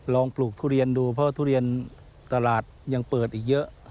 ปลูกทุเรียนดูเพราะทุเรียนตลาดยังเปิดอีกเยอะ